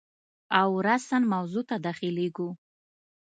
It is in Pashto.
او راساً موضوع ته داخلیږو.